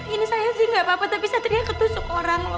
ini saya sih gak apa apa tapi satria ketusuk orang loh